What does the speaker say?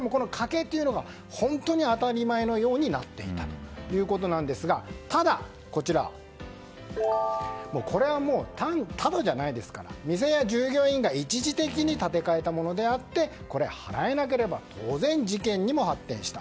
これは当たり前になっていたということなんですがただこれはタダじゃないですから店や従業員が一時的に立て替えたものであって払えなければ当然事件にも発展した。